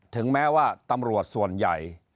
ถึงแม้ว่าตำรวจส่วนใหญ่